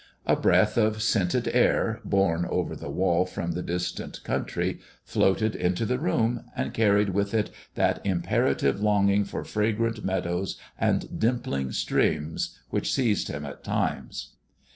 A breath of scented air, borne over the wall 60 THE dwarf's chamber from the distant country, floated into the room, and carried with it that imperative longing for fragrant meadows and dimpling streams which seized him at times.